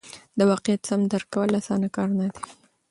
د واقعیت سم درک کول اسانه کار نه دی.